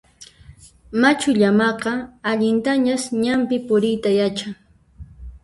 Machu llamaqa allintañas ñanpi puriyta yachan.